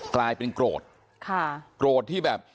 กลายเป็นโกรธค่ะโกรธที่แบบ